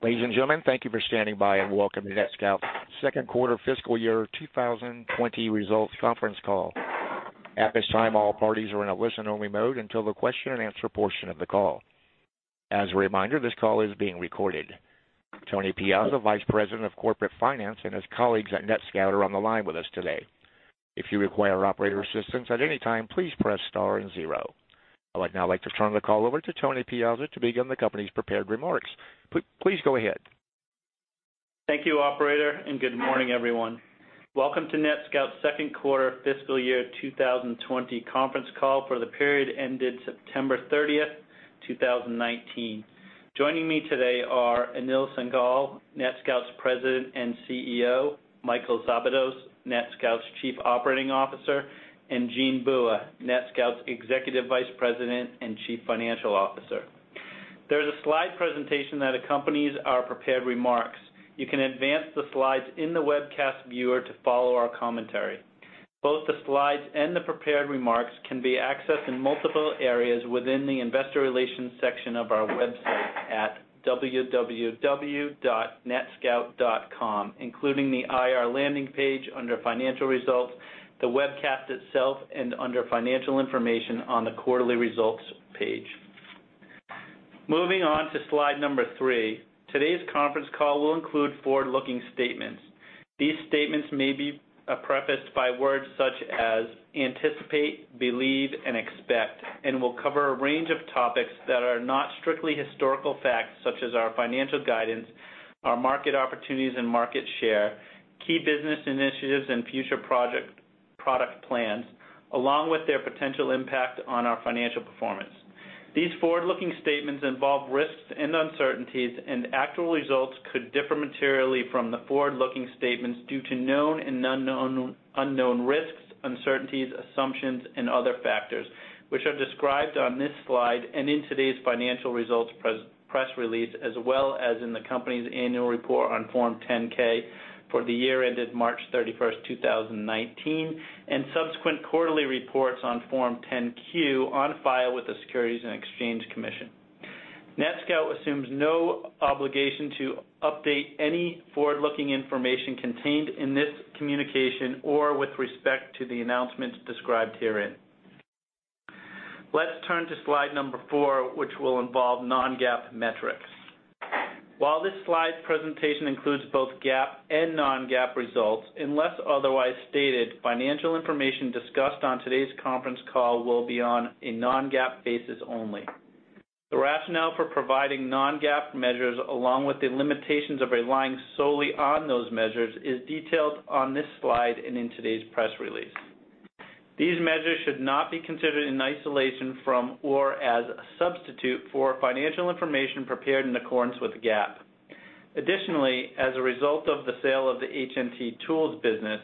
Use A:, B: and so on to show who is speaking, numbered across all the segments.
A: Ladies and gentlemen, thank you for standing by, and welcome to NetScout's second quarter fiscal year 2020 results conference call. At this time, all parties are in a listen-only mode until the question and answer portion of the call. As a reminder, this call is being recorded. Anthony Piazza, Vice President of Corporate Finance, and his colleagues at NetScout are on the line with us today. If you require operator assistance at any time, please press star and zero. I would now like to turn the call over to Anthony Piazza to begin the company's prepared remarks. Please go ahead.
B: Thank you, operator, and good morning, everyone. Welcome to NetScout's second quarter fiscal year 2020 conference call for the period ended September thirtieth, 2019. Joining me today are Anil Singhal, NetScout's President and CEO, Michael Szabados, NetScout's Chief Operating Officer, and Jean Bua, NetScout's Executive Vice President and Chief Financial Officer. There's a slide presentation that accompanies our prepared remarks. You can advance the slides in the webcast viewer to follow our commentary. Both the slides and the prepared remarks can be accessed in multiple areas within the investor relations section of our website at www.netscout.com, including the IR landing page under financial results, the webcast itself, and under financial information on the quarterly results page. Moving on to slide number three. Today's conference call will include forward-looking statements. These statements may be prefaced by words such as anticipate, believe, and expect, and will cover a range of topics that are not strictly historical facts, such as our financial guidance, our market opportunities and market share, key business initiatives, and future product plans, along with their potential impact on our financial performance. These forward-looking statements involve risks and uncertainties, and actual results could differ materially from the forward-looking statements due to known and unknown risks, uncertainties, assumptions, and other factors, which are described on this slide and in today's financial results press release, as well as in the company's annual report on Form 10-K for the year ended March 31st, 2019, and subsequent quarterly reports on Form 10-Q on file with the Securities and Exchange Commission. NetScout assumes no obligation to update any forward-looking information contained in this communication or with respect to the announcements described herein. Let's turn to slide number four, which will involve non-GAAP metrics. While this slide presentation includes both GAAP and non-GAAP results, unless otherwise stated, financial information discussed on today's conference call will be on a non-GAAP basis only. The rationale for providing non-GAAP measures, along with the limitations of relying solely on those measures, is detailed on this slide and in today's press release. These measures should not be considered in isolation from, or as a substitute for, financial information prepared in accordance with GAAP. Additionally, as a result of the sale of the HNT Tools business,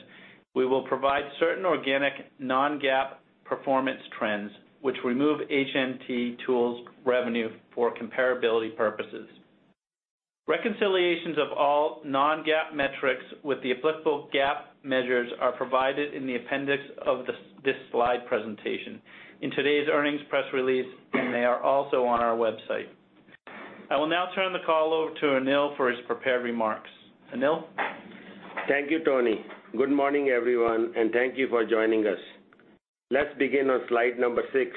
B: we will provide certain organic non-GAAP performance trends which remove HNT Tools revenue for comparability purposes. Reconciliations of all non-GAAP metrics with the applicable GAAP measures are provided in the appendix of this slide presentation in today's earnings press release, and they are also on our website. I will now turn the call over to Anil for his prepared remarks. Anil?
C: Thank you, Tony. Good morning, everyone, and thank you for joining us. Let's begin on slide number six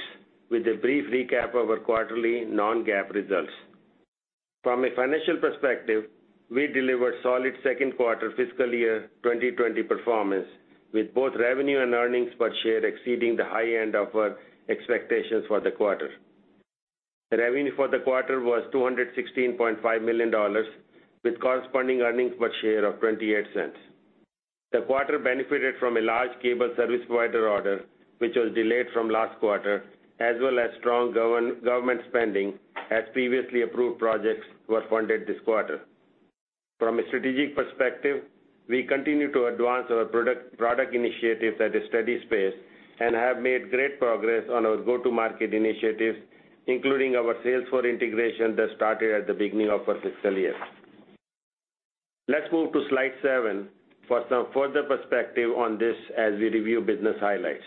C: with a brief recap of our quarterly non-GAAP results. From a financial perspective, we delivered solid second quarter fiscal year 2020 performance, with both revenue and earnings per share exceeding the high end of our expectations for the quarter. The revenue for the quarter was $216.5 million, with corresponding earnings per share of $0.28. The quarter benefited from a large cable service provider order, which was delayed from last quarter, as well as strong government spending, as previously approved projects were funded this quarter. From a strategic perspective, we continue to advance our product initiatives at a steady pace and have made great progress on our go-to-market initiatives, including our Salesforce integration that started at the beginning of our fiscal year. Let's move to slide seven for some further perspective on this as we review business highlights.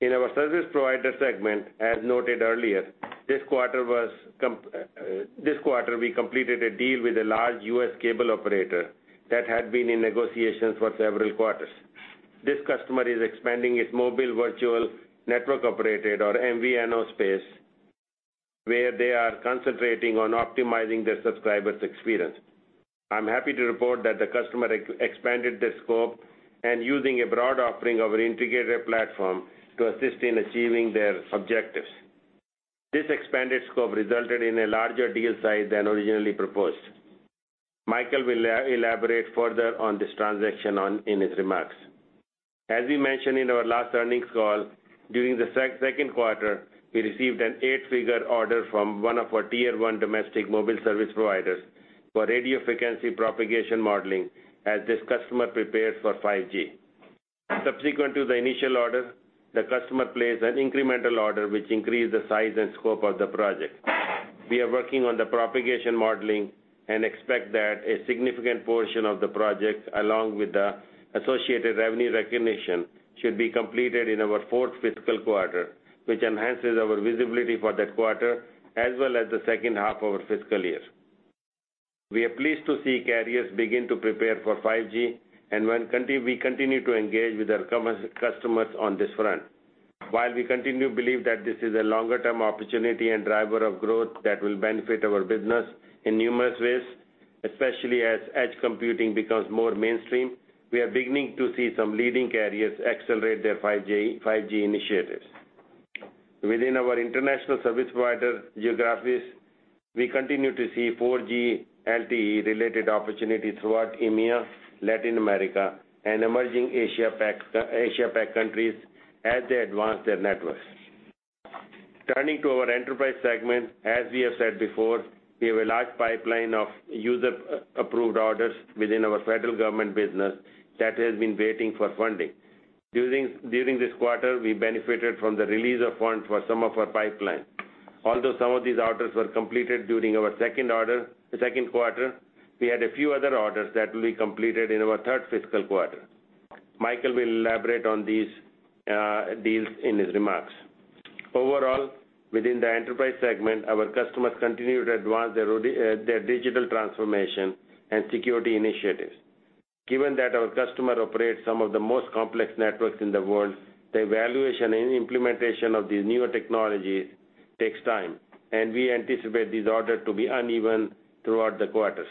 C: In our service provider segment, as noted earlier, this quarter we completed a deal with a large U.S. cable operator that had been in negotiations for several quarters. This customer is expanding its mobile virtual network operator, or MVNO space, where they are concentrating on optimizing their subscribers' experience. I'm happy to report that the customer expanded the scope and using a broad offering of our integrated platform to assist in achieving their objectives. This expanded scope resulted in a larger deal size than originally proposed. Michael will elaborate further on this transaction in his remarks. As we mentioned in our last earnings call, during the second quarter, we received an eight-figure order from one of our tier 1 domestic mobile service providers for radio frequency propagation modeling as this customer prepares for 5G. Subsequent to the initial order, the customer placed an incremental order, which increased the size and scope of the project. We are working on the propagation modeling and expect that a significant portion of the project, along with the associated revenue recognition, should be completed in our fourth fiscal quarter, which enhances our visibility for that quarter, as well as the second half of our fiscal year. We are pleased to see carriers begin to prepare for 5G, and we continue to engage with our customers on this front. While we continue to believe that this is a longer-term opportunity and driver of growth that will benefit our business in numerous ways, especially as edge computing becomes more mainstream, we are beginning to see some leading carriers accelerate their 5G initiatives. Within our international service provider geographies, we continue to see 4G LTE-related opportunities throughout EMEA, Latin America, and emerging Asia-Pac countries as they advance their networks. Turning to our enterprise segment, as we have said before, we have a large pipeline of user-approved orders within our federal government business that has been waiting for funding. During this quarter, we benefited from the release of funds for some of our pipeline. Although some of these orders were completed during our second quarter, we had a few other orders that will be completed in our third fiscal quarter. Michael will elaborate on these deals in his remarks. Overall, within the enterprise segment, our customers continue to advance their digital transformation and security initiatives. Given that our customers operate some of the most complex networks in the world, the evaluation and implementation of these newer technologies takes time, and we anticipate these orders to be uneven throughout the quarters.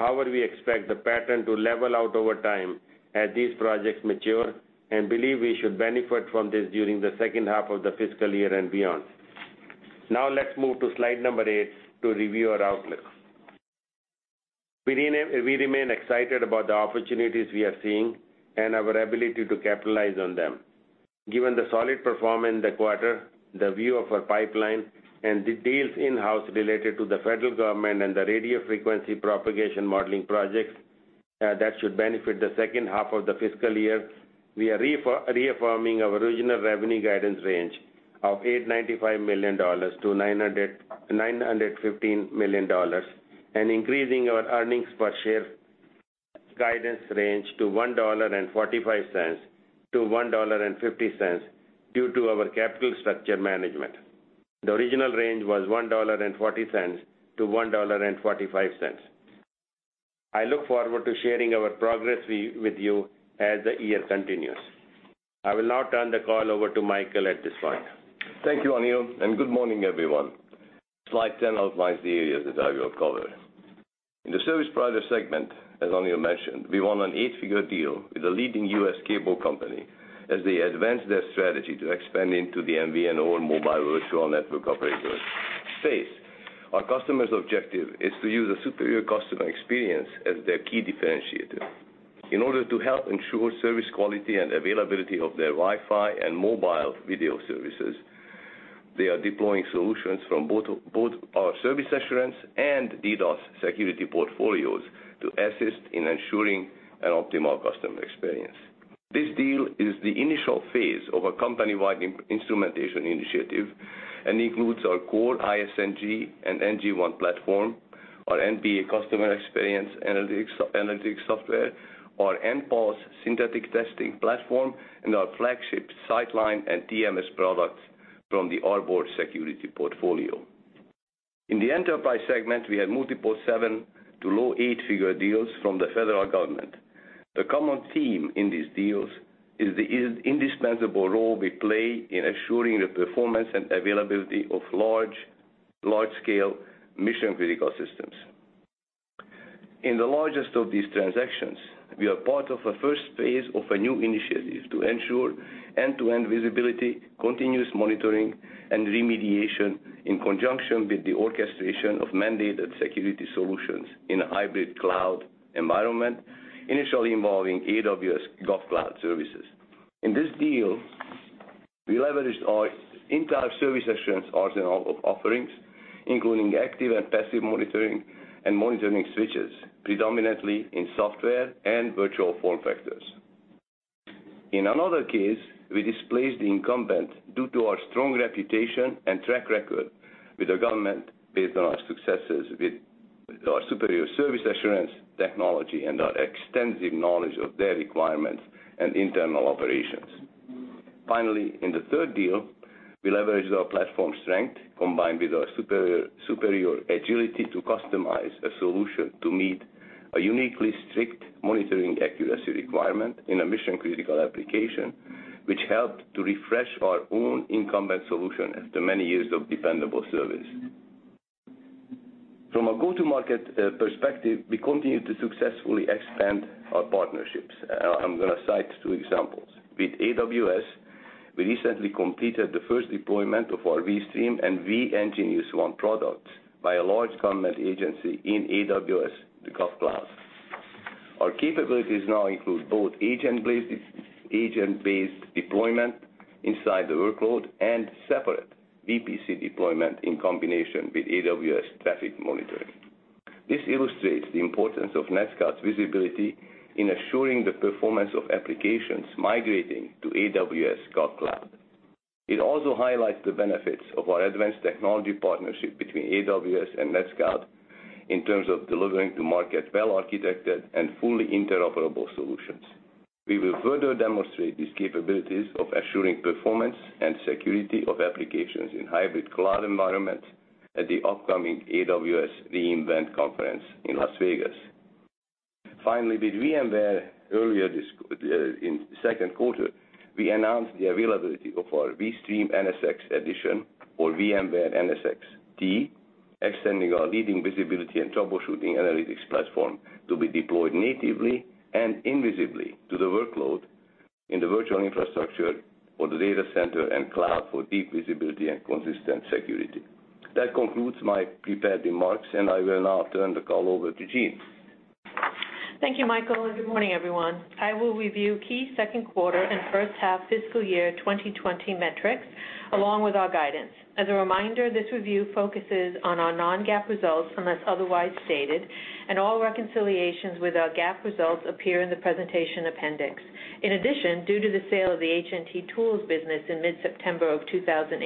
C: However, we expect the pattern to level out over time as these projects mature and believe we should benefit from this during the second half of the fiscal year and beyond. Now let's move to slide number eight to review our outlook. We remain excited about the opportunities we are seeing and our ability to capitalize on them. Given the solid performance in the quarter, the view of our pipeline, and the deals in-house related to the federal government and the radio frequency propagation modeling projects that should benefit the second half of the fiscal year, we are reaffirming our original revenue guidance range of $895 million-$915 million, and increasing our earnings per share guidance range to $1.45-$1.50 due to our capital structure management. The original range was $1.40-$1.45. I look forward to sharing our progress with you as the year continues. I will now turn the call over to Michael at this point.
D: Thank you, Anil, and good morning, everyone. Slide 10 outlines the areas that I will cover. In the service provider segment, as Anil mentioned, we won an eight-figure deal with a leading U.S. cable company as they advance their strategy to expand into the MVNO, or mobile virtual network operator, space. Our customer's objective is to use a superior customer experience as their key differentiator. In order to help ensure service quality and availability of their Wi-Fi and mobile video services, they are deploying solutions from both our service assurance and DDoS security portfolios to assist in ensuring an optimal customer experience. This deal is the initial phase of a company-wide instrumentation initiative and includes our core ISNG and nGeniusONE platform, our NPA customer experience analytics software, our nGeniusPULSE synthetic testing platform, and our flagship Sightline and TMS products from the Arbor security portfolio. In the enterprise segment, we had multiple seven to low eight-figure deals from the federal government. The common theme in these deals is the indispensable role we play in assuring the performance and availability of large-scale mission-critical systems. In the largest of these transactions, we are part of a first phase of a new initiative to ensure end-to-end visibility, continuous monitoring, and remediation in conjunction with the orchestration of mandated security solutions in a hybrid cloud environment, initially involving AWS GovCloud services. In this deal, we leveraged our entire service assurance arsenal of offerings, including active and passive monitoring and monitoring switches, predominantly in software and virtual form factors. In another case, we displaced the incumbent due to our strong reputation and track record with the government based on our successes with our superior service assurance technology and our extensive knowledge of their requirements and internal operations. Finally, in the third deal, we leveraged our platform strength, combined with our superior agility to customize a solution to meet a uniquely strict monitoring accuracy requirement in a mission-critical application, which helped to refresh our own incumbent solution after many years of dependable service. From a go-to-market perspective, we continue to successfully expand our partnerships. I'm going to cite two examples. With AWS, we recently completed the first deployment of our vSTREAM and nGeniusONE products by a large government agency in AWS GovCloud. Our capabilities now include both agent-based deployment inside the workload and separate VPC deployment in combination with AWS traffic monitoring. This illustrates the importance of NetScout's visibility in assuring the performance of applications migrating to AWS cloud. It also highlights the benefits of our advanced technology partnership between AWS and NetScout in terms of delivering to market well-architected and fully interoperable solutions. We will further demonstrate these capabilities of assuring performance and security of applications in hybrid cloud environments at the upcoming AWS re:Invent conference in Las Vegas. Finally, with VMware earlier in the second quarter, we announced the availability of our vSTREAM NSX-T edition or VMware NSX-T, extending our leading visibility and troubleshooting analytics platform to be deployed natively and invisibly to the workload in the virtual infrastructure for the data center and cloud for deep visibility and consistent security. That concludes my prepared remarks, and I will now turn the call over to Jean.
E: Thank you, Michael, and good morning, everyone. I will review key second quarter and first half fiscal year 2020 metrics, along with our guidance. As a reminder, this review focuses on our non-GAAP results unless otherwise stated, and all reconciliations with our GAAP results appear in the presentation appendix. In addition, due to the sale of the HNT Tools business in mid-September of 2018,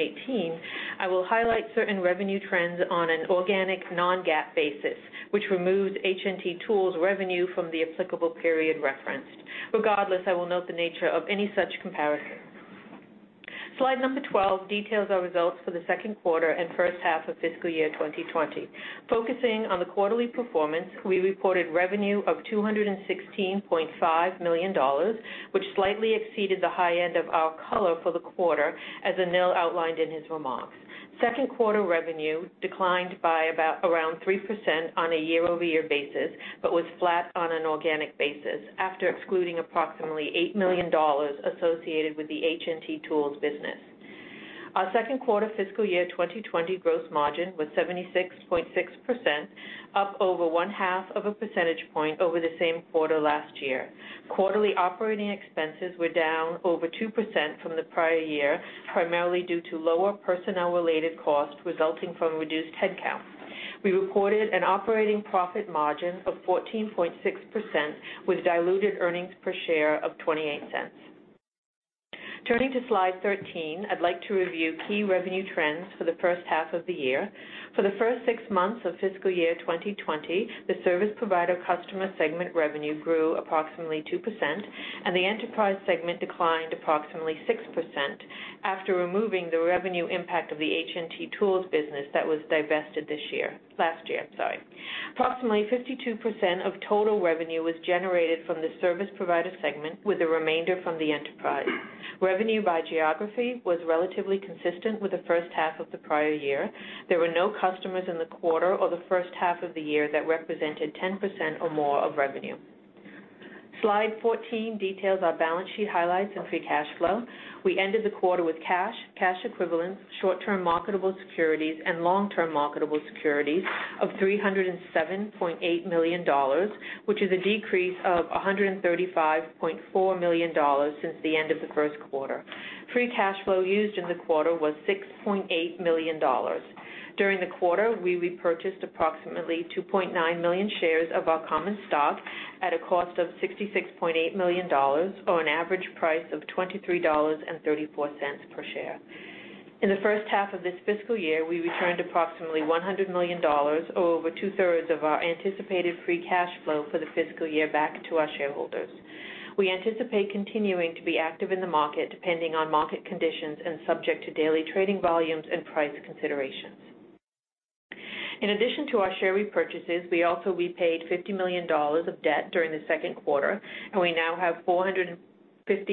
E: I will highlight certain revenue trends on an organic non-GAAP basis, which removes HNT Tools revenue from the applicable period referenced. Regardless, I will note the nature of any such comparison. Slide number 12 details our results for the second quarter and first half of fiscal year 2020. Focusing on the quarterly performance, we reported revenue of $216.5 million, which slightly exceeded the high end of our color for the quarter, as Anil outlined in his remarks. Second quarter revenue declined by around 3% on a year-over-year basis, but was flat on an organic basis after excluding approximately $8 million associated with the HNT Tools business. Our second quarter fiscal year 2020 gross margin was 76.6%, up over one-half of a percentage point over the same quarter last year. Quarterly operating expenses were down over 2% from the prior year, primarily due to lower personnel-related costs resulting from reduced headcount. We reported an operating profit margin of 14.6%, with diluted earnings per share of $0.28. Turning to slide 13, I'd like to review key revenue trends for the first half of the year. For the first six months of fiscal year 2020, the service provider customer segment revenue grew approximately 2%, and the enterprise segment declined approximately 6% after removing the revenue impact of the HNT Tools business that was divested last year. Approximately 52% of total revenue was generated from the service provider segment, with the remainder from the enterprise. Revenue by geography was relatively consistent with the first half of the prior year. There were no customers in the quarter or the first half of the year that represented 10% or more of revenue. Slide 14 details our balance sheet highlights and free cash flow. We ended the quarter with cash equivalents, short-term marketable securities, and long-term marketable securities of $307.8 million, which is a decrease of $135.4 million since the end of the first quarter. Free cash flow used in the quarter was $6.8 million. During the quarter, we repurchased approximately 2.9 million shares of our common stock at a cost of $66.8 million, or an average price of $23.34 per share. In the first half of this fiscal year, we returned approximately $100 million, or over two-thirds of our anticipated free cash flow for the fiscal year back to our shareholders. We anticipate continuing to be active in the market, depending on market conditions and subject to daily trading volumes and price considerations. In addition to our share repurchases, we also repaid $50 million of debt during the second quarter, and we now have $450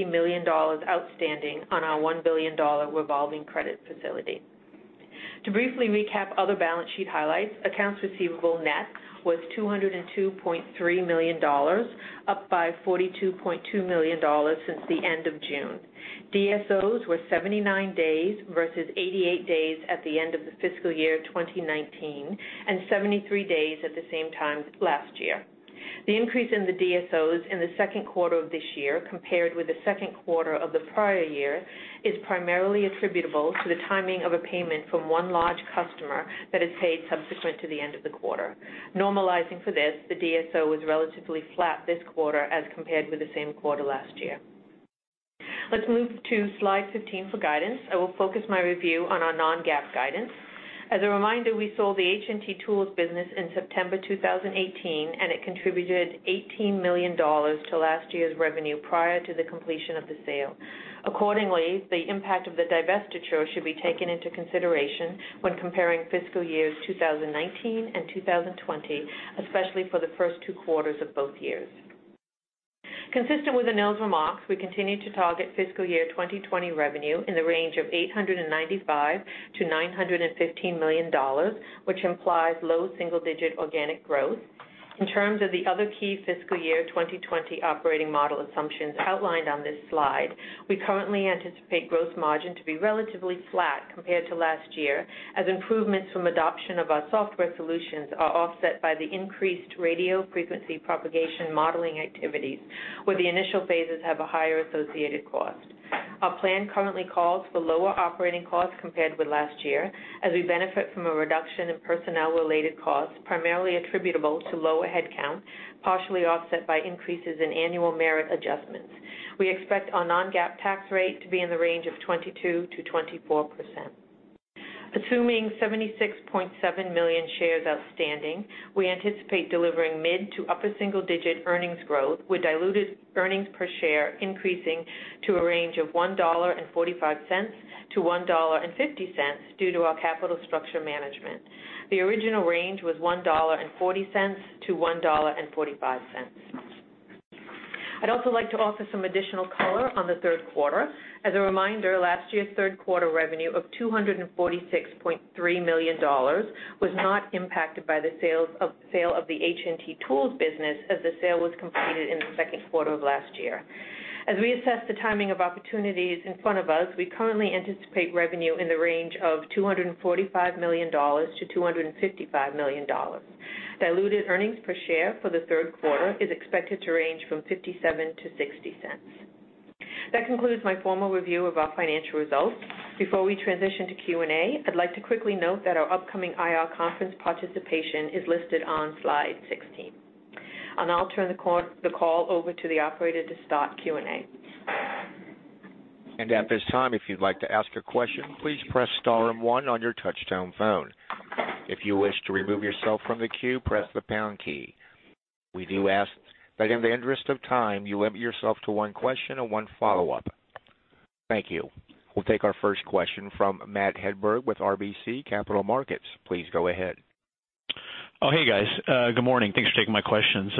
E: million outstanding on our $1 billion revolving credit facility. To briefly recap other balance sheet highlights, accounts receivable net was $202.3 million, up by $42.2 million since the end of June. DSOs were 79 days versus 88 days at the end of the fiscal year 2019, and 73 days at the same time last year. The increase in the DSOs in the second quarter of this year compared with the second quarter of the prior year is primarily attributable to the timing of a payment from one large customer that is paid subsequent to the end of the quarter. Normalizing for this, the DSO was relatively flat this quarter as compared with the same quarter last year. Let's move to slide 15 for guidance. I will focus my review on our non-GAAP guidance. As a reminder, we sold the HNT Tools business in September 2018, and it contributed $18 million to last year's revenue prior to the completion of the sale. Accordingly, the impact of the divestiture should be taken into consideration when comparing fiscal years 2019 and 2020, especially for the first two quarters of both years. Consistent with Anil's remarks, we continue to target fiscal year 2020 revenue in the range of $895 million-$915 million, which implies low single-digit organic growth. In terms of the other key fiscal year 2020 operating model assumptions outlined on this slide, we currently anticipate gross margin to be relatively flat compared to last year as improvements from adoption of our software solutions are offset by the increased radio frequency propagation modeling activities, where the initial phases have a higher associated cost. Our plan currently calls for lower operating costs compared with last year as we benefit from a reduction in personnel-related costs, primarily attributable to lower headcount, partially offset by increases in annual merit adjustments. We expect our non-GAAP tax rate to be in the range of 22%-24%. Assuming 76.7 million shares outstanding, we anticipate delivering mid to upper single-digit earnings growth, with diluted earnings per share increasing to a range of $1.45-$1.50 due to our capital structure management. The original range was $1.40-$1.45. I'd also like to offer some additional color on the third quarter. As a reminder, last year's third quarter revenue of $246.3 million was not impacted by the sale of the HNT tools business, as the sale was completed in the second quarter of last year. As we assess the timing of opportunities in front of us, we currently anticipate revenue in the range of $245 million-$255 million. Diluted earnings per share for the third quarter is expected to range from $0.57-$0.60. That concludes my formal review of our financial results. Before we transition to Q&A, I'd like to quickly note that our upcoming IR conference participation is listed on slide 16. I'll turn the call over to the operator to start Q&A.
A: At this time, if you'd like to ask a question, please press star and one on your touchtone phone. If you wish to remove yourself from the queue, press the pound key. We do ask that in the interest of time, you limit yourself to one question and one follow-up. Thank you. We'll take our first question from Matt Hedberg with RBC Capital Markets. Please go ahead.
F: Oh, hey, guys. Good morning. Thanks for taking my questions.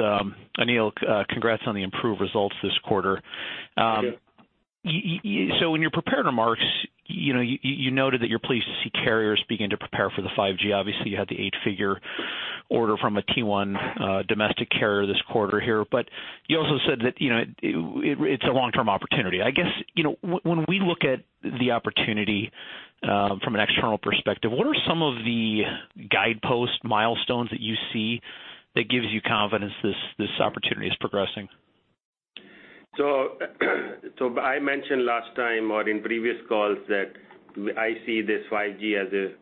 F: Anil, congrats on the improved results this quarter.
C: Thank you.
F: In your prepared remarks, you noted that you're pleased to see carriers begin to prepare for the 5G. Obviously, you had the 8-figure order from a tier 1 domestic carrier this quarter here, but you also said that it's a long-term opportunity. I guess, when we look at the opportunity from an external perspective, what are some of the guidepost milestones that you see that gives you confidence this opportunity is progressing?
C: I mentioned last time or in previous calls that I see this 5G as a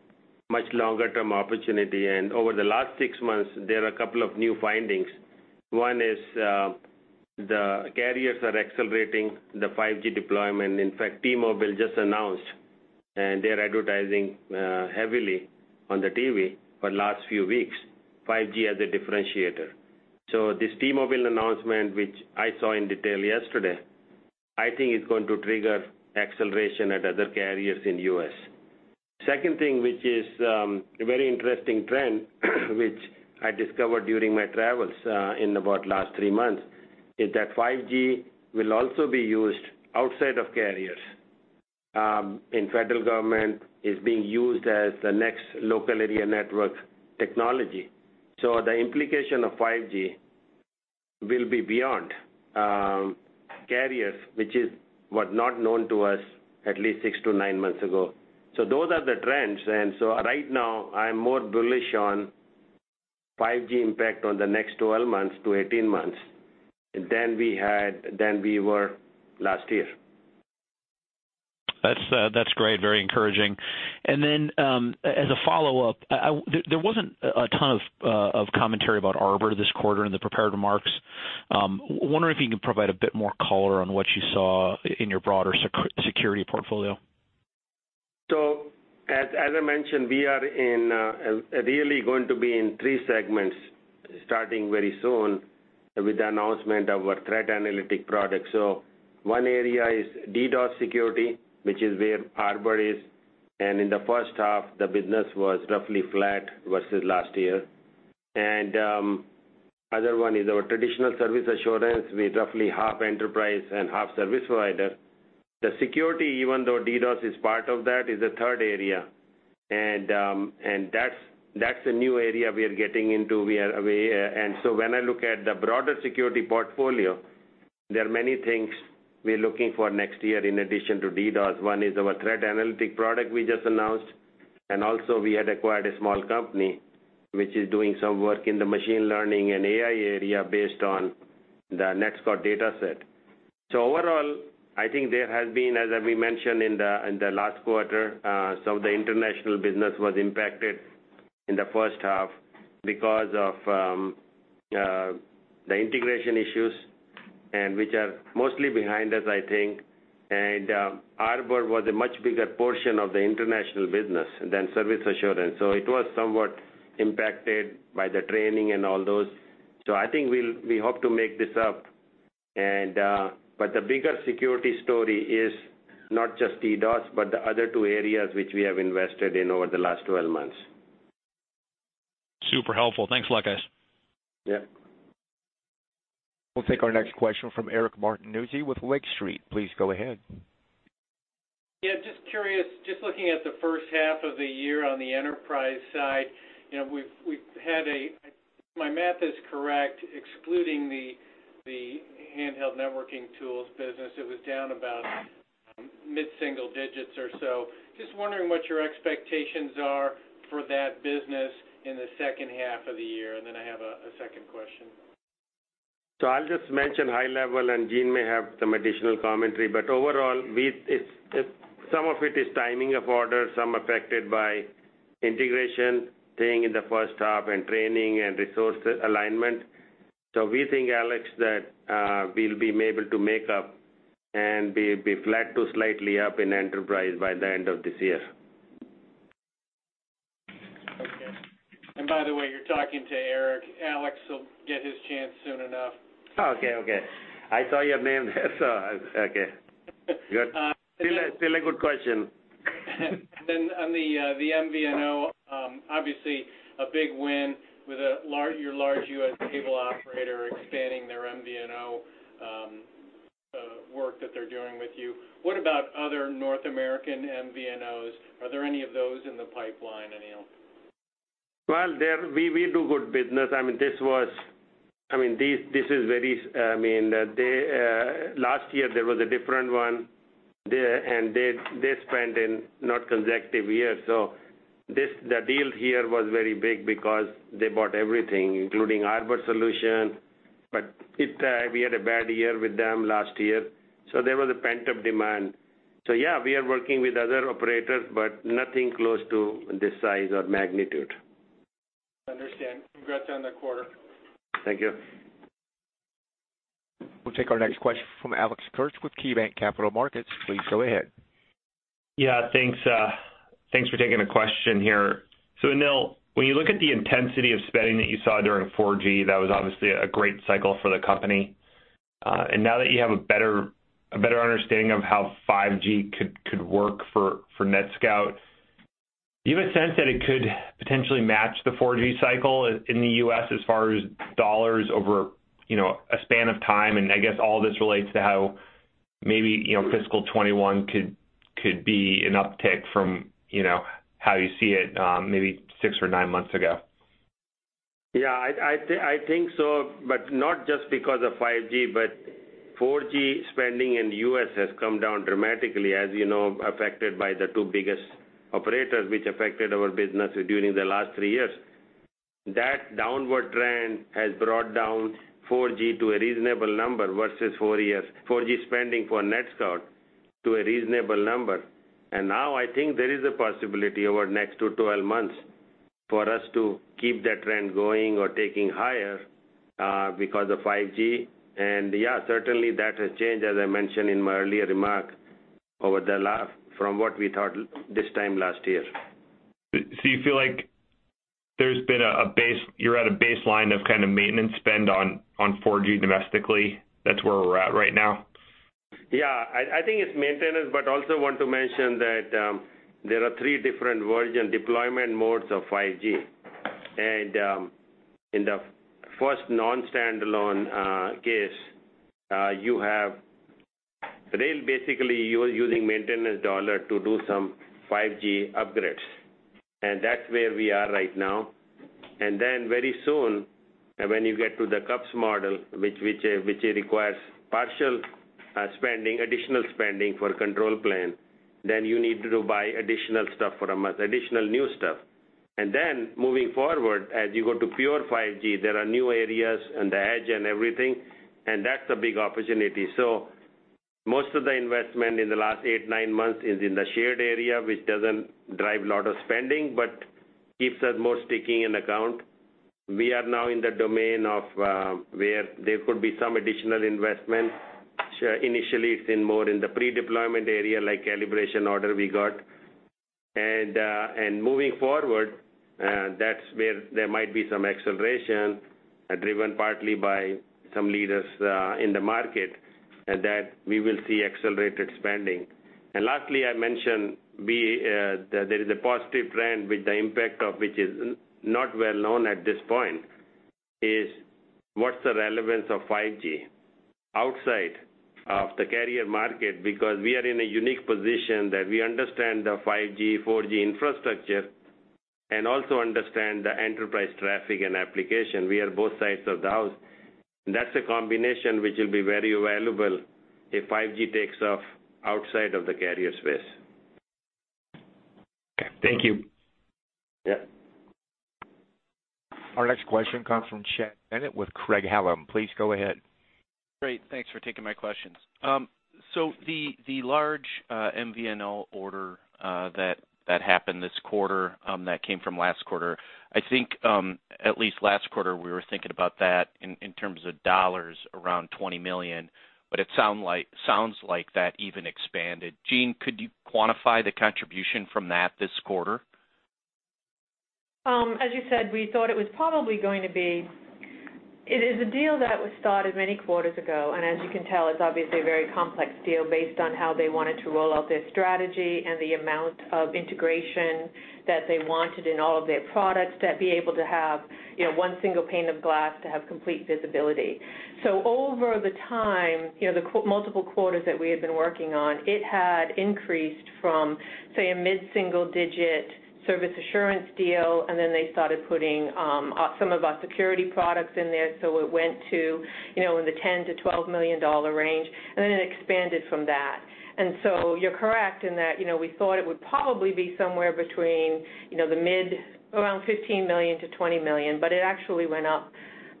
C: much longer-term opportunity, and over the last six months, there are a couple of new findings. One is the carriers are accelerating the 5G deployment. In fact, T-Mobile just announced, and they're advertising heavily on the TV for last few weeks, 5G as a differentiator. This T-Mobile announcement, which I saw in detail yesterday, I think is going to trigger acceleration at other carriers in U.S. Second thing, which is a very interesting trend, which I discovered during my travels in about last three months, is that 5G will also be used outside of carriers. In federal government, it's being used as the next local area network technology. The implication of 5G will be beyond carriers, which was not known to us at least six to nine months ago. Those are the trends, and so right now, I'm more bullish on 5G impact on the next 12 months to 18 months than we were last year.
F: That's great. Very encouraging. As a follow-up, there wasn't a ton of commentary about Arbor this quarter in the prepared remarks. Wondering if you can provide a bit more color on what you saw in your broader security portfolio?
C: As I mentioned, we are really going to be in three segments, starting very soon with the announcement of our threat analytic product. One area is DDoS security, which is where Arbor is, and in the first half, the business was roughly flat versus last year. Other one is our traditional service assurance with roughly half enterprise and half service provider. The security, even though DDoS is part of that, is a third area, and that's a new area we are getting into. When I look at the broader security portfolio, there are many things we're looking for next year in addition to DDoS. One is our threat analytic product we just announced, and also we had acquired a small company which is doing some work in the machine learning and AI area based on the NetScout data set. Overall, I think there has been, as we mentioned in the last quarter, some of the international business was impacted in the first half because of the integration issues, and which are mostly behind us, I think. Arbor was a much bigger portion of the international business than service assurance, so it was somewhat impacted by the training and all those. I think we hope to make this up. The bigger security story is not just DDoS, but the other two areas which we have invested in over the last 12 months.
F: Super helpful. Thanks a lot, guys.
C: Yeah.
A: We'll take our next question from Eric Martinuzzi with Lake Street. Please go ahead.
G: Yeah, just curious, just looking at the first half of the year on the enterprise side, if my math is correct, excluding the handheld networking tools business, it was down about mid-single digits or so. Just wondering what your expectations are for that business in the second half of the year. I have a second question.
C: I'll just mention high level, and Jean may have some additional commentary. Overall, some of it is timing of orders, some affected by integration staying in the first half and training and resource alignment. We think, Alex, that we'll be able to make up and be flat to slightly up in enterprise by the end of this year.
G: Okay. By the way, you're talking to Eric. Alex will get his chance soon enough.
C: Okay. I saw your name there, so okay. Good. Still a good question.
G: On the MVNO, obviously a big win with your large U.S. cable operator expanding their MVNO, work that they're doing with you. What about other North American MVNOs? Are there any of those in the pipeline, Anil?
C: We do good business. Last year, there was a different one, and they spent in not consecutive years. The deal here was very big because they bought everything, including hardware solution. We had a bad year with them last year, so there was a pent-up demand. Yeah, we are working with other operators, but nothing close to this size or magnitude.
G: Understand. Congrats on the quarter.
C: Thank you.
A: We'll take our next question from Alex Kurtz with KeyBanc Capital Markets. Please go ahead.
H: Yeah. Thanks for taking the question here. Anil, when you look at the intensity of spending that you saw during 4G, that was obviously a great cycle for the company. Now that you have a better understanding of how 5G could work for NetScout, do you have a sense that it could potentially match the 4G cycle in the U.S. as far as dollars over a span of time? I guess all this relates to how maybe fiscal 2021 could be an uptick from how you see it maybe six or nine months ago.
C: I think so, but not just because of 5G, but 4G spending in the U.S. has come down dramatically, as you know, affected by the two biggest operators, which affected our business during the last three years. That downward trend has brought down 4G to a reasonable number versus four years, 4G spending for NetScout to a reasonable number. Now I think there is a possibility over the next 12 months for us to keep that trend going or taking higher, because of 5G. Certainly that has changed, as I mentioned in my earlier remark, from what we thought this time last year.
H: You feel like you're at a baseline of kind of maintenance spend on 4G domestically? That's where we're at right now.
C: I think it's maintenance, but also want to mention that there are three different version deployment modes of 5G. In the first non-standalone case, they're basically using maintenance dollar to do some 5G upgrades, and that's where we are right now. Very soon, when you get to the CUPS model, which requires partial spending, additional spending for control plane, then you need to buy additional new stuff. Moving forward, as you go to pure 5G, there are new areas and the edge and everything, and that's a big opportunity. Most of the investment in the last eight, nine months is in the shared area, which doesn't drive a lot of spending, but keeps us more sticking in account. We are now in the domain of where there could be some additional investment. Initially, it's in more in the pre-deployment area, like calibration order we got. Moving forward, that's where there might be some acceleration, driven partly by some leaders in the market, and that we will see accelerated spending. Lastly, I mentioned there is a positive trend with the impact of which is not well known at this point, is what's the relevance of 5G outside of the carrier market? Because we are in a unique position that we understand the 5G, 4G infrastructure and also understand the enterprise traffic and application. We are both sides of the house. That's a combination which will be very valuable if 5G takes off outside of the carrier space.
H: Okay. Thank you.
C: Yeah.
A: Our next question comes from Chad Bennett with Craig-Hallum. Please go ahead.
I: Great. Thanks for taking my questions. The large MVNO order that happened this quarter, that came from last quarter, I think, at least last quarter, we were thinking about that in terms of dollars around $20 million, but it sounds like that even expanded. Jean, could you quantify the contribution from that this quarter?
E: As you said, we thought it was probably going to be. It is a deal that was started many quarters ago, and as you can tell, it's obviously a very complex deal based on how they wanted to roll out their strategy and the amount of integration that they wanted in all of their products to be able to have one single pane of glass to have complete visibility. Over the time, the multiple quarters that we had been working on, it had increased from, say, a mid-single digit service assurance deal, and then they started putting some of our security products in there. It went to in the $10 million-$12 million range, and then it expanded from that. You're correct in that we thought it would probably be somewhere between the mid around $15 million-$20 million, but it actually went up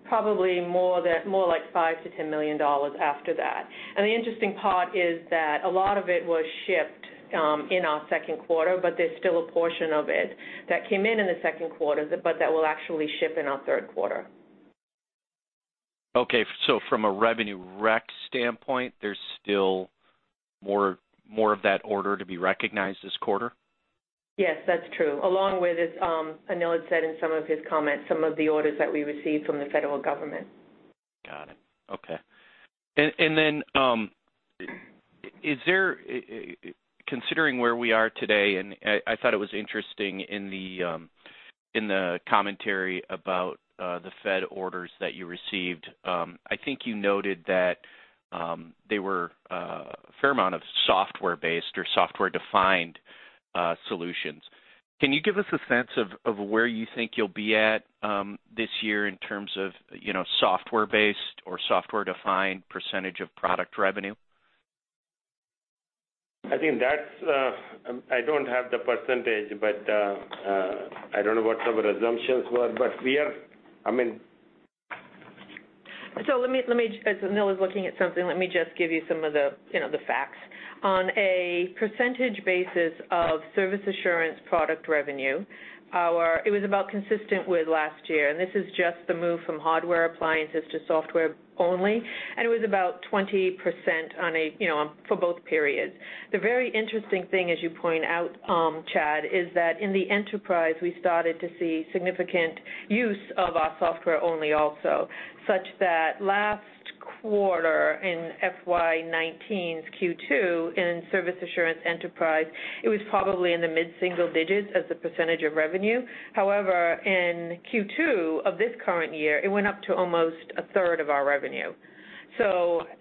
E: probably more like $5 million-$10 million after that. The interesting part is that a lot of it was shipped in our second quarter, but there's still a portion of it that came in the second quarter, but that will actually ship in our third quarter.
I: Okay. From a revenue rec standpoint, there's still more of that order to be recognized this quarter?
E: Yes, that's true. Along with, as Anil had said in some of his comments, some of the orders that we received from the federal government.
I: Got it. Okay. Considering where we are today, I thought it was interesting in the commentary about the Fed orders that you received, I think you noted that they were a fair amount of software-based or software-defined solutions. Can you give us a sense of where you think you'll be at this year in terms of software-based or software-defined percentage of product revenue?
C: I think I don't have the percentage, but I don't know what our assumptions were.
E: Let me, as Anil is looking at something, let me just give you some of the facts. On a percentage basis of service assurance product revenue, it was about consistent with last year, and this is just the move from hardware appliances to software only, and it was about 20% for both periods. The very interesting thing, as you point out, Chad, is that in the enterprise, we started to see significant use of our software only also, such that last quarter in FY 2019's Q2 in service assurance enterprise, it was probably in the mid-single digits as a percentage of revenue. However, in Q2 of this current year, it went up to almost a third of our revenue.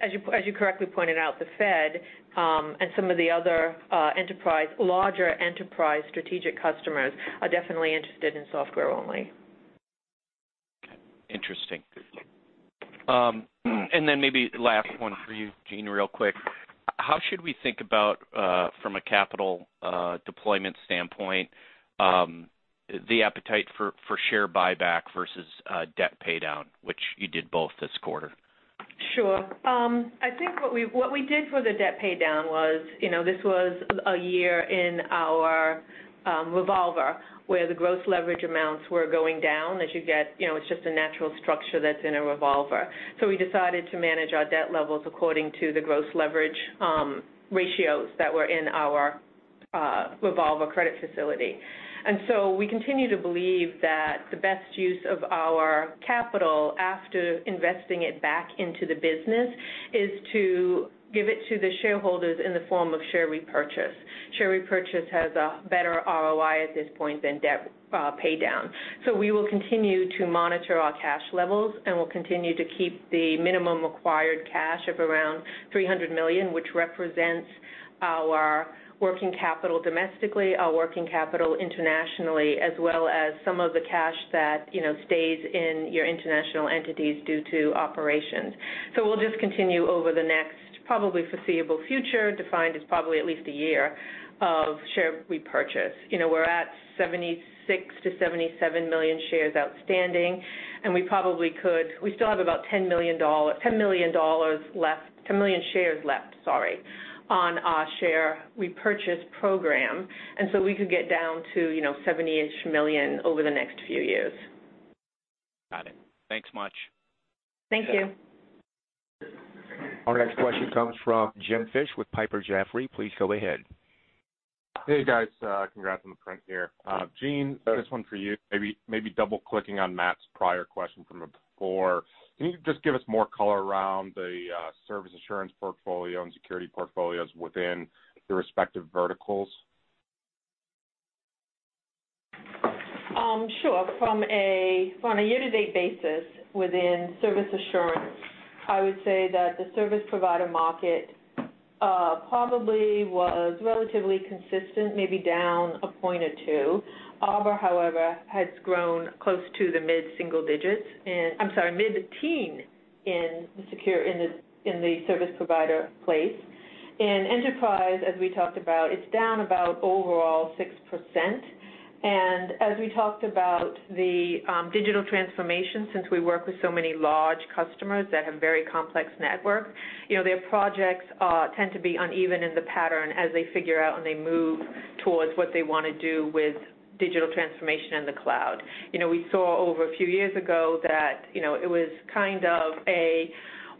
E: As you correctly pointed out, the Fed, and some of the other larger enterprise strategic customers are definitely interested in software only.
I: Okay. Interesting. Maybe last one for you, Jean, real quick. How should we think about, from a capital deployment standpoint, the appetite for share buyback versus debt paydown, which you did both this quarter?
E: Sure. I think what we did for the debt paydown was, this was a year in our revolver where the gross leverage amounts were going down. It's just a natural structure that's in a revolver. We decided to manage our debt levels according to the gross leverage ratios that were in our revolver credit facility. We continue to believe that the best use of our capital after investing it back into the business is to give it to the shareholders in the form of share repurchase. Share repurchase has a better ROI at this point than debt paydown. We will continue to monitor our cash levels. We'll continue to keep the minimum required cash of around $300 million, which represents our working capital domestically, our working capital internationally, as well as some of the cash that stays in your international entities due to operations. We'll just continue over the next probably foreseeable future, defined as probably at least a year, of share repurchase. We're at 76 million-77 million shares outstanding. We still have about 10 million shares left on our share repurchase program, so we could get down to 70-ish million over the next few years.
I: Got it. Thanks much.
E: Thank you.
A: Our next question comes from James Fish with Piper Sandler. Please go ahead.
J: Hey, guys. Congrats on the print here. Jean, this one's for you. Maybe double-clicking on Matt's prior question from before. Can you just give us more color around the service assurance portfolio and security portfolios within the respective verticals?
E: Sure. From a year-to-date basis within service assurance, I would say that the service provider market probably was relatively consistent, maybe down a point or two. Arbor, however, has grown close to the mid-teen in the service provider place. In enterprise, as we talked about, it's down about overall 6%. As we talked about the digital transformation, since we work with so many large customers that have very complex networks, their projects tend to be uneven in the pattern as they figure out and they move towards what they want to do with digital transformation and the cloud. We saw over a few years ago that it was kind of a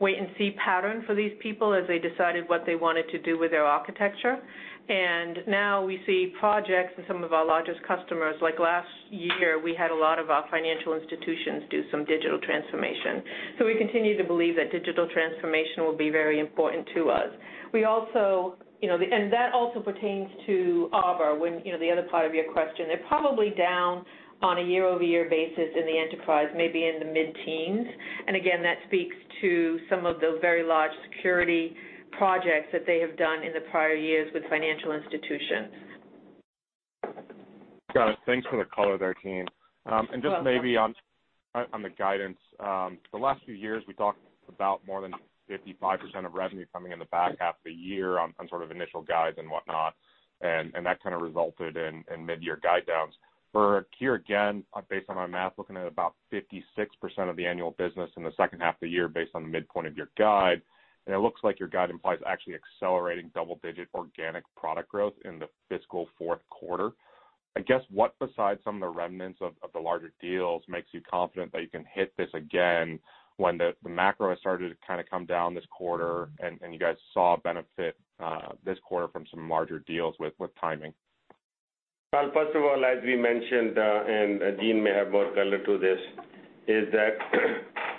E: wait-and-see pattern for these people as they decided what they wanted to do with their architecture. Now we see projects in some of our largest customers. Like last year, we had a lot of our financial institutions do some digital transformation. We continue to believe that digital transformation will be very important to us. That also pertains to Arbor when the other part of your question. They're probably down on a year-over-year basis in the enterprise, maybe in the mid-teens. Again, that speaks to some of those very large security projects that they have done in the prior years with financial institutions.
J: Got it. Thanks for the color there, Jean. Just maybe on the guidance. The last few years, we talked about more than 55% of revenue coming in the back half of the year on sort of initial guides and whatnot, and that kind of resulted in mid-year guide downs. For a year again, based on our math, looking at about 56% of the annual business in the second half of the year based on the midpoint of your guide, and it looks like your guide implies actually accelerating double-digit organic product growth in the fiscal fourth quarter. I guess, what besides some of the remnants of the larger deals makes you confident that you can hit this again when the macro has started to come down this quarter, and you guys saw a benefit this quarter from some larger deals with timing?
C: First of all, as we mentioned, Jean may have more color to this, is that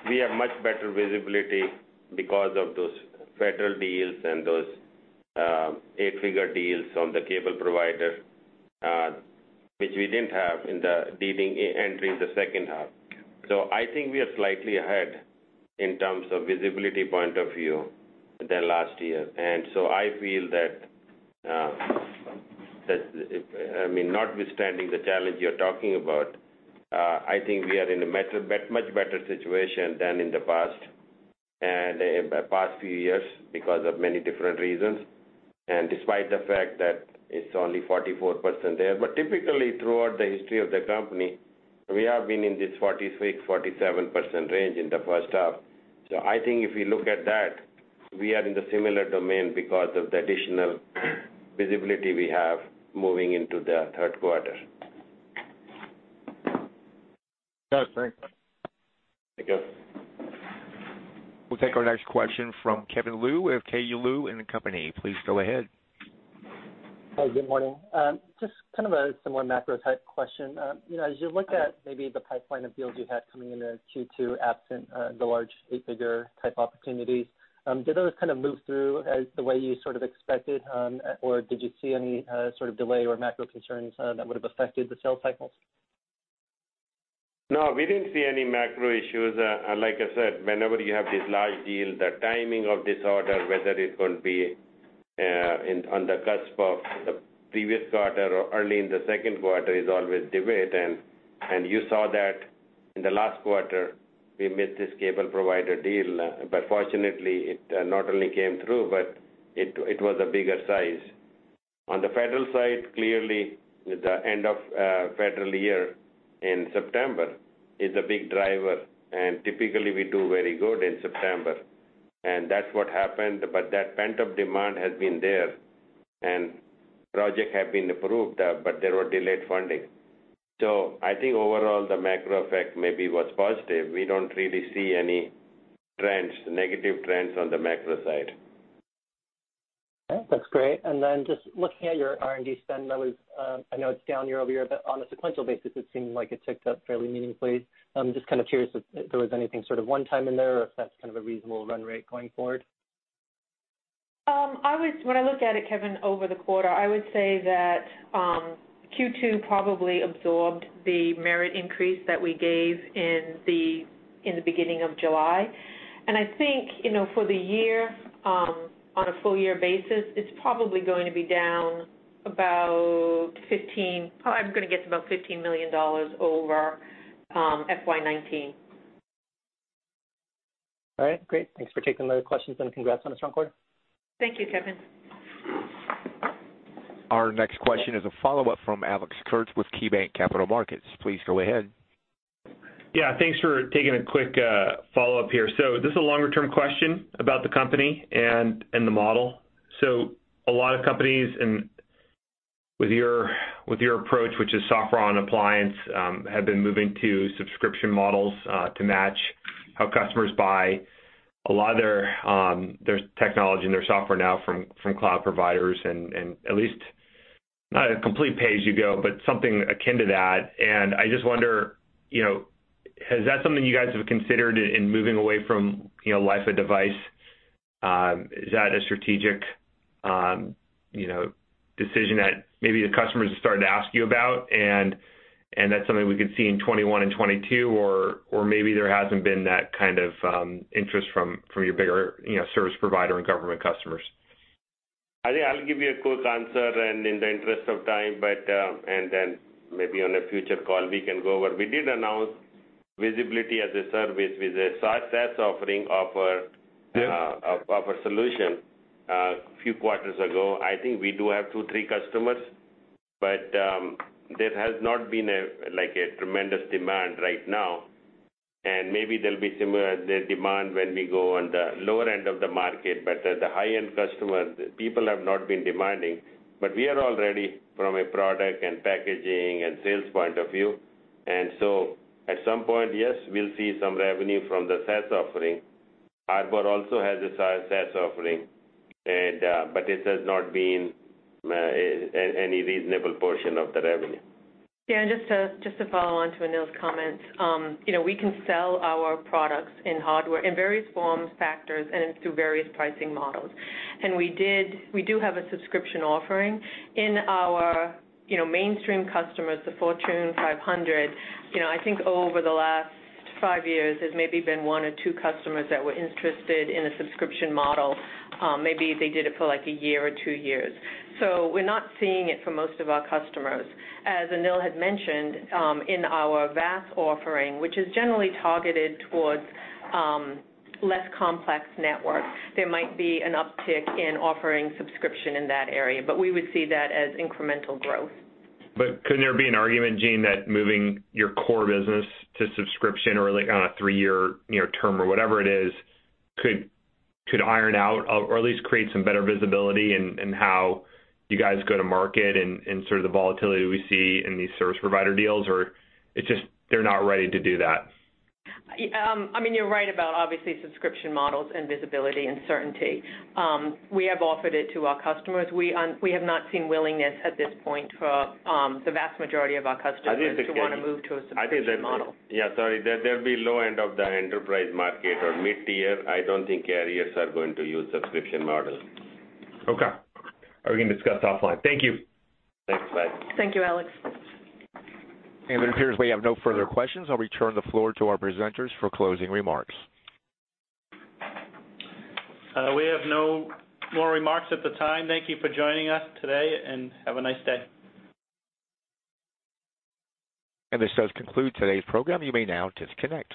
C: we have much better visibility because of those federal deals and those eight-figure deals from the cable provider, which we didn't have in the leading entry in the second half. I think we are slightly ahead in terms of visibility point of view than last year. I feel that, notwithstanding the challenge you're talking about, I think we are in a much better situation than in the past few years because of many different reasons. Despite the fact that it's only 44% there. Typically, throughout the history of the company, we have been in this 46%, 47% range in the first half. I think if we look at that, we are in the similar domain because of the additional visibility we have moving into the third quarter.
J: Got it. Thanks.
B: Thank you.
A: We'll take our next question from Kevin Liu of K. Liu & Company. Please go ahead.
K: Hi. Good morning. Just kind of a similar macro type question. As you look at maybe the pipeline of deals you had coming into Q2, absent the large eight-figure type opportunities, did those kind of move through as the way you sort of expected? Did you see any sort of delay or macro concerns that would have affected the sales cycles?
C: No, we didn't see any macro issues. Like I said, whenever you have these large deals, the timing of this order, whether it would be on the cusp of the previous quarter or early in the second quarter, is always debate. You saw that in the last quarter, we missed this cable provider deal, but fortunately, it not only came through, but it was a bigger size. On the Federal side, clearly, the end of Federal year in September is a big driver, and typically we do very good in September. That's what happened, but that pent-up demand has been there, and projects have been approved, but there were delayed funding. I think overall, the macro effect maybe was positive. We don't really see any negative trends on the macro side.
K: Okay. That's great. Just looking at your R&D spend, I know it's down year-over-year, but on a sequential basis, it seemed like it ticked up fairly meaningfully. I'm just kind of curious if there was anything sort of one-time in there or if that's kind of a reasonable run rate going forward.
E: When I look at it, Kevin, over the quarter, I would say that Q2 probably absorbed the merit increase that we gave in the beginning of July. I think, for the year, on a full-year basis, it's probably going to be down about $15 million over FY 2019.
K: All right, great. Thanks for taking those questions. Congrats on a strong quarter.
E: Thank you, Kevin.
A: Our next question is a follow-up from Alex Kurtz with KeyBanc Capital Markets. Please go ahead.
H: Yeah. Thanks for taking a quick follow-up here. This is a longer-term question about the company and the model. A lot of companies, and with your approach, which is software on appliance, have been moving to subscription models to match how customers buy a lot of their technology and their software now from cloud providers and at least not a complete pay-as-you-go, but something akin to that. I just wonder, is that something you guys have considered in moving away from life of device? Is that a strategic decision that maybe the customers are starting to ask you about, and that's something we could see in 2021 and 2022? Maybe there hasn't been that kind of interest from your bigger service provider and government customers?
C: I think I'll give you a quick answer and in the interest of time, and then maybe on a future call we can go over. We did announce Visibility as a Service with a SaaS offering of our.
H: Yeah
C: of our solution a few quarters ago. I think we do have two, three customers, but there has not been a tremendous demand right now, and maybe there'll be similar demand when we go on the lower end of the market, but at the high-end customers, people have not been demanding. We are all ready from a product and packaging and sales point of view. At some point, yes, we'll see some revenue from the SaaS offering. Arbor also has a SaaS offering, but it has not been any reasonable portion of the revenue.
E: Just to follow on to Anil's comments. We can sell our products in hardware in various forms, factors, and through various pricing models. We do have a subscription offering. In our mainstream customers, the Fortune 500, I think over the last five years, there's maybe been one or two customers that were interested in a subscription model. Maybe they did it for like a year or two years. We're not seeing it for most of our customers. As Anil had mentioned, in our VaaS offering, which is generally targeted towards less complex networks, there might be an uptick in offering subscription in that area, but we would see that as incremental growth.
H: Couldn't there be an argument, Jean, that moving your core business to subscription or like on a three-year term or whatever it is, could iron out or at least create some better visibility in how you guys go to market and sort of the volatility we see in these service provider deals? It's just they're not ready to do that?
E: You're right about obviously subscription models and visibility and certainty. We have offered it to our customers. We have not seen willingness at this point for the vast majority of our customers.
C: I think the carry-
E: to want to move to a subscription model.
C: Yeah, sorry. There'll be low end of the enterprise market or mid-tier. I don't think carriers are going to use subscription models.
H: Okay. We can discuss offline. Thank you.
C: Thanks. Bye.
E: Thank you, Alex.
A: It appears we have no further questions. I'll return the floor to our presenters for closing remarks.
B: We have no more remarks at the time. Thank you for joining us today, and have a nice day.
A: This does conclude today's program. You may now disconnect.